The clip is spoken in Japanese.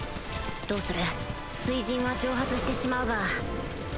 どうする水刃は蒸発してしまうが。